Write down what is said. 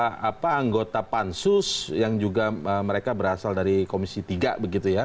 mengapa anggota pansus yang juga mereka berasal dari komisi tiga